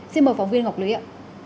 xin mời phóng viên ngọc lũy ạ